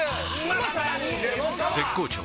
絶好調！！